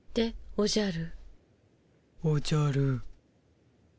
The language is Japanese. おじゃる。